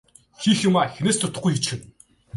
Хийх юмаа хэнээс ч дутахгүй хийчихнэ.